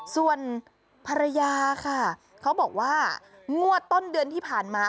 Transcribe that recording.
ส่วนภรรยาค่ะเขาบอกว่างวดต้นเดือนที่ผ่านมา